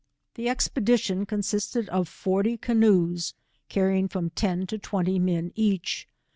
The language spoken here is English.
The expedition consisted of forty canoes, carrying from ten to twenty men each.